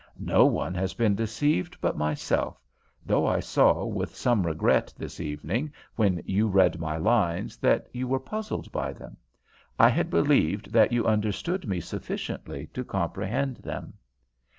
No one has been deceived but myself, though I saw with some regret this evening when you read my lines that you were puzzled by them. I had believed that you understood me sufficiently to comprehend them."